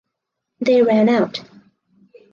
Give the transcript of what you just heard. They "ran" out.